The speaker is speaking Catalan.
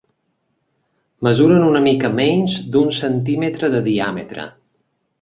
Mesuren una mica menys d'un centímetre de diàmetre.